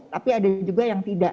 tapi ada juga yang tidak